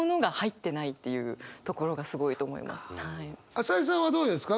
朝井さんはどうですか？